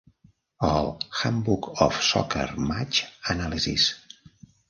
El Handbook of Soccer Match Analysis.